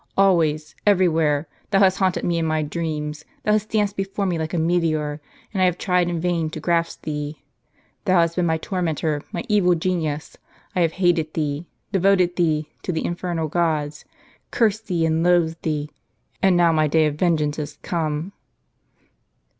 "Always: every where. Thou hast haunted me in my dreams ; thou hast danced before me like a meteor, and I have tried in vain to grasp the.e. Thou hast been my tormentor, my evil genius. I have hated thee ; devoted thee to the infernal gods; cursed thee and loathed thee; and now my day of vengeance is come."